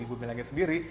di bumi langit sendiri